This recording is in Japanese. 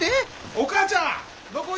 お母ちゃん。